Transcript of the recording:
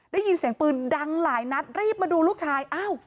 ได้ยินเสียงปืนดังหลายนัดรีบมาดูลูกชายอ้าว